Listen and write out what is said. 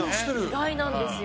そうなんですよ。